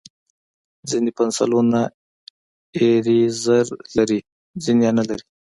ځینې پنسلونه ایریزر لري، ځینې یې نه لري.